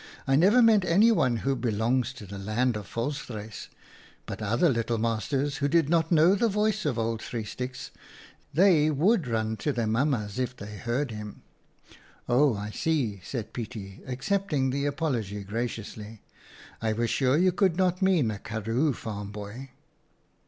" I never meant anyone who belongs to the land of Volstruise. But other little masters, who did not know the voice of old Three Sticks — they would run to their mam mas if they heard him." " Oh, I see," said Pietie, accepting the apology graciously. " I was sure you could not mean a karroo farm boy."